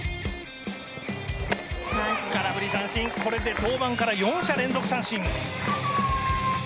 空振り三振これで登板から４者連続三振。